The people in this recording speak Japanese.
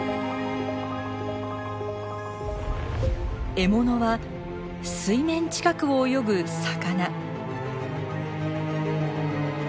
獲物は水面近くを泳ぐ魚。